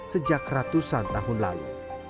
sejak ratusan tahun lalu